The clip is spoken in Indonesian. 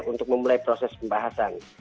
untuk memulai proses pembahasan